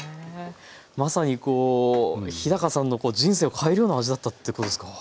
まさにこう日さんの人生を変えるような味だったということですか？